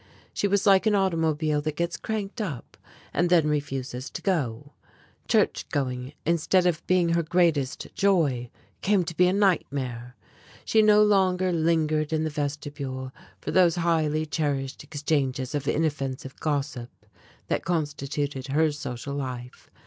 She was like an automobile that gets cranked up and then refuses to go. Church going instead of being her greatest joy came to be a nightmare. She no longer lingered in the vestibule, for those highly cherished exchanges of inoffensive gossip that constituted her social life.